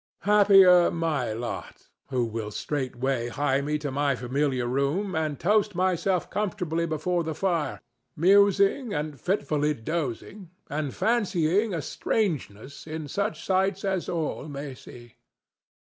Happier my lot, who will straightway hie me to my familiar room and toast myself comfortably before the fire, musing and fitfully dozing and fancying a strangeness in such sights as all may see.